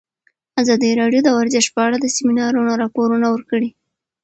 ازادي راډیو د ورزش په اړه د سیمینارونو راپورونه ورکړي.